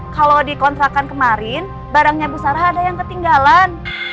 kalau di kontrakan kemarin barangnya besar ada yang ketinggalan